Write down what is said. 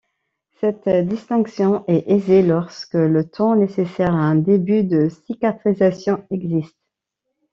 Cette distinction est aisée lorsque le temps nécessaire à un début de cicatrisation existe.